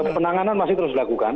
penanganan masih terus dilakukan